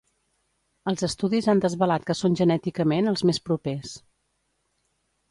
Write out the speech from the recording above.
Els estudis han desvelat que són genèticament els més propers.